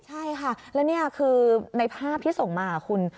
ใช่ค่ะแล้วนี่คือในภาพที่ส่งมาคุณ